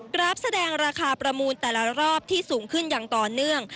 ราฟแสดงราคาประมูลแต่ละรอบที่สูงขึ้นอย่างต่อเนื่อง